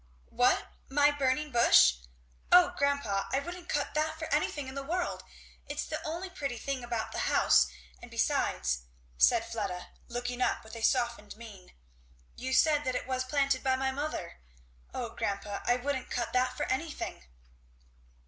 "What, my burning bush? O grandpa! I wouldn't cut that for any thing in the world! It's the only pretty thing about the house; and besides," said Fleda, looking up with a softened mien, "you said that it was planted by my mother. O grandpa! I wouldn't cut that for any thing."